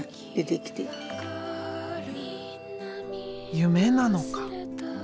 夢なのか？